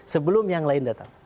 sebelum yang lain datang